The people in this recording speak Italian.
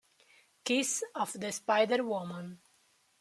Kiss of the Spider Woman